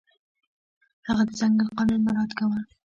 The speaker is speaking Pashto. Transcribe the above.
هغه د ځنګل قانون مراعت کاوه.